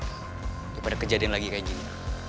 daripada kejadian lagi kayak gini